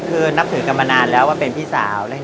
คือนับถือกันมานานแล้วว่าเป็นพี่สาว